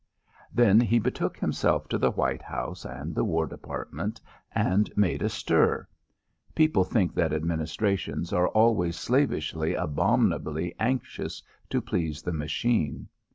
Then he betook himself to the White House and the War Department and made a stir. People think that Administrations are always slavishly, abominably anxious to please the Machine.